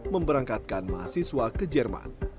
memberangkatkan mahasiswa ke jerman